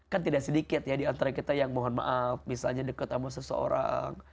kan tidak sedikit ya diantara kita yang mohon maaf misalnya dekat sama seseorang